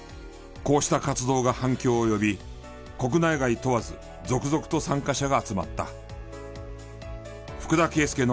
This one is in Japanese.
こうした活動が反響を呼び国内外問わず続々と参加者が集まった。